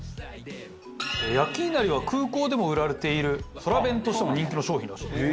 焼きいなりは空港でも売られている空弁としても人気の商品らしいですね。